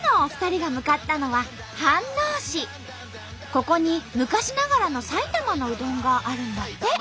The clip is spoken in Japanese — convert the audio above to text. ここに昔ながらの埼玉のうどんがあるんだって。